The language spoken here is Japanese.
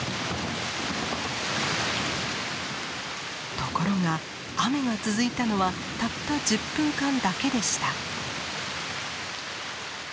ところが雨が続いたのはたった１０分間だけでした。